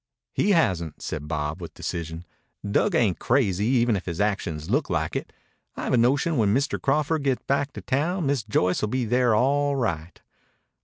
"He hasn't," said Bob with decision. "Dug ain't crazy even if his actions look like it. I've a notion when Mr. Crawford gets back to town Miss Joyce will be there all right.